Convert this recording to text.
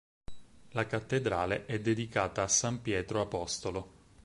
La cattedrale è dedicata a San Pietro apostolo.